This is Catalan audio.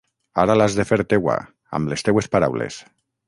Ara l'has de fer teua, amb les teues paraules.